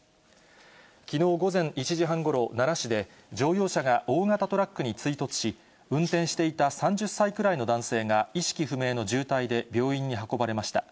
きのう午前１時半ごろ、奈良市で、乗用車が大型トラックに追突し、運転していた３０歳くらいの男性が意識不明の重体で病院に運ばれました。